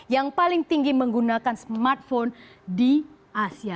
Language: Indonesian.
yang paling tinggi menggunakan smartphone di asia